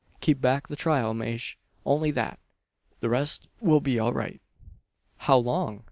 "Keep back the trial, Maje only that. The rest will be all right." "How long?